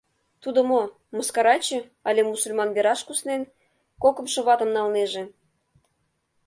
Тудо мо, мыскараче але мусульман вераш куснен, кокымшо ватым налнеже?